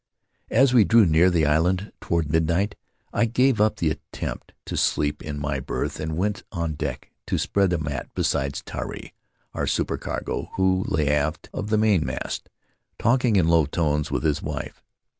As we drew near the land, toward midnight, I gave up the attempt to sleep in my berth and went on deck to spread a mat beside Tari, our supercargo, who lay aft of the mainmast, talking in low tones with his wife.